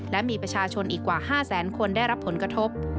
และมีประชาชนอีกกว่า๕แสนคนได้รับผลกระทบ